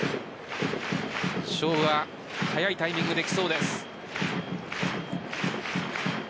勝負は早いタイミングで、きそうです。